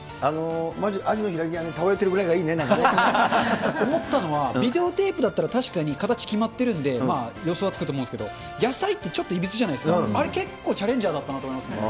アジの開きが倒れてるぐらい思ったのは、ビデオテープだったら確かに形決まってるんで、予想はつくと思うんですけど、野菜ってちょっといびつじゃないですか、あれ結構チャレンジャーだったなと思いますね。